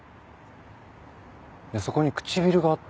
そこに唇があったから。